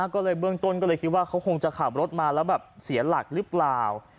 ก็เลยเบื้องต้นก็เลยคิดว่าเขาคงจะขับรถมาแล้วแบบเสียหลักหรือเปล่า